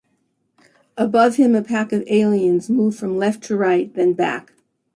Above him a pack of aliens move from left to right, then back.